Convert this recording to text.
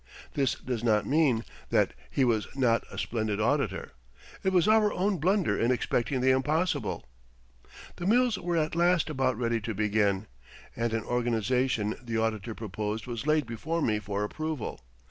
This does not mean that he was not a splendid auditor. It was our own blunder in expecting the impossible. The mills were at last about ready to begin and an organization the auditor proposed was laid before me for approval.